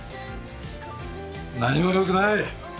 何も良くない。